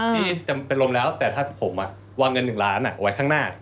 ที่เป็นลมแล้วแต่ถ้าผมวางเงิน๑ล้านไว้ข้างหน้า